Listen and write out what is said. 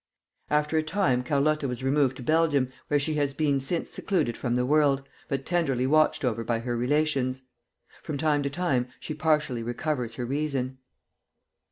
After a time Carlotta was removed to Belgium, where she has been since secluded from the world, but tenderly watched over by her relations. From time to time she partially recovers her reason.